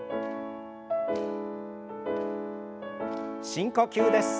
深呼吸です。